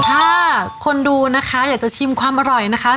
ถ้าคนดูนะคะอยากจะชิมความอร่อยนะคะ